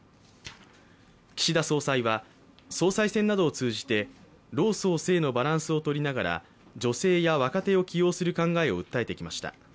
岸田総裁は総裁選などを通じて、老・壮・青のバランスを取りながら女性や若手を起用する考えを訴えてきました。